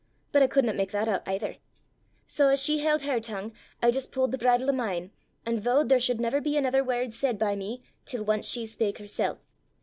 but I couldna mak that oot aither. Sae as she heild her tongue, I jist pu'd the bridle o' mine, an' vooed there should be never anither word said by me till ance she spak hersel'.